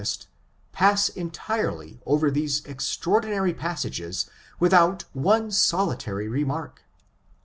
st, pass entirely over those extraor dinary luiNNages without one solitary remark.